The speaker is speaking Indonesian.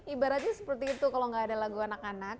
ibaratnya seperti itu kalau nggak ada lagu anak anak